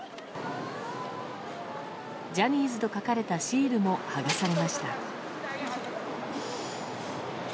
「ジャニーズ」と書かれたシールも剥がされました。